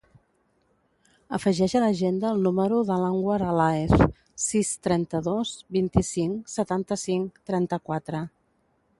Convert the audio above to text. Afegeix a l'agenda el número de l'Anwar Alaez: sis, trenta-dos, vint-i-cinc, setanta-cinc, trenta-quatre.